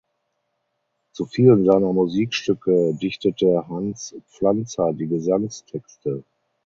Zu vielen seiner Musikstücke dichtete Hans Pflanzer die Gesangstexte.